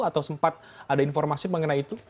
atau sempat ada informasi mengenai itu